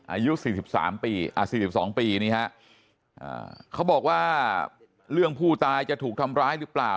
อายุ๔๓ปี๔๒ปีนี่ฮะเขาบอกว่าเรื่องผู้ตายจะถูกทำร้ายหรือเปล่า